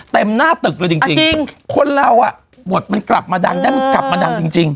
เต็มหน้าตึกเลยจริงคนเราอะหมวดมันกลับมาดังแล้วมันกลับมาดังจริง